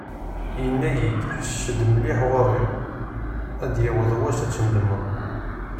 Yenna-iyi-d: « Ḥesses-d mliḥ ɣur-i, ad d-yaweḍ wass ad tendemmeḍ."